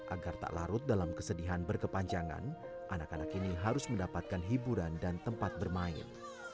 agar tak larut dalam kesedihan berkepanjangan anak anak ini harus mendapatkan hiburan dan tempat bermain